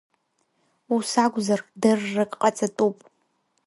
Ус акәзар, дыррак ҟаҵатәуп!